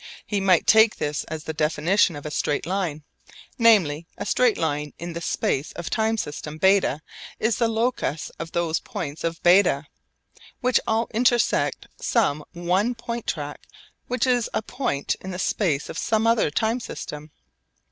We might take this as the definition of a straight line. Namely, a straight line in the space of time system β is the locus of those points of β which all intersect some one point track which is a point in the space of some other time system.